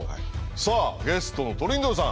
さあゲストのトリンドルさん。